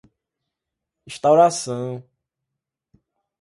instauração